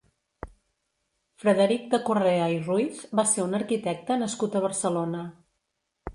Frederic de Correa i Ruiz va ser un arquitecte nascut a Barcelona.